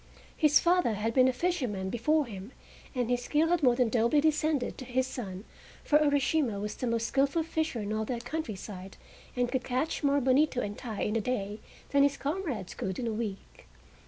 His father had been a fisherman before him, and his skill had more than doubly descended to his son, for Urashima was the most skillful fisher in all that country side, and could catch more Bonito and Tai in a day than his comrades could in a week.